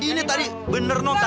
ini tadi bener non